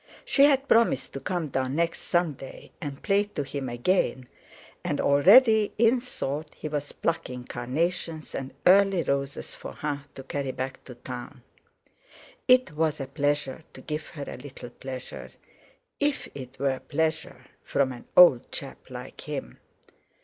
She had promised to come down next Sunday and play to him again, and already in thought he was plucking carnations and early roses for her to carry back to town. It was a pleasure to give her a little pleasure, if it were pleasure from an old chap like him!